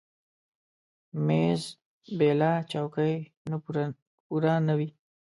مېز بېله چوکۍ نه پوره نه وي.